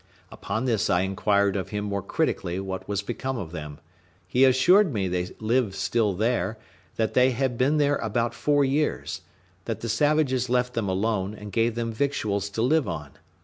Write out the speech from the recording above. Upon this I inquired of him more critically what was become of them. He assured me they lived still there; that they had been there about four years; that the savages left them alone, and gave them victuals to live on.